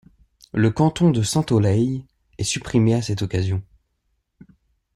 Le canton de Saint-Aulaye est supprimé à cette occasion.